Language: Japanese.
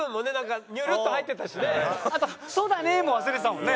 あと「そうだね」も忘れてたもんね。